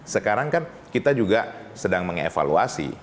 sekarang kan kita juga sedang mengevaluasi